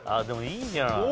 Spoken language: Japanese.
でもいいじゃん！